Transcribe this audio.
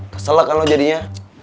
kesel kan lo jadinya